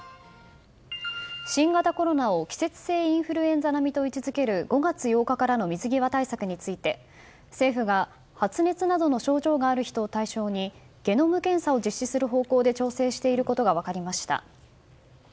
新型コロナを季節性インフルエンザ並と位置付ける５月８日からの水際対策について政府が発熱などの症状がある人を対象にゲノム検査を実施する方向で調整していることが分かりました。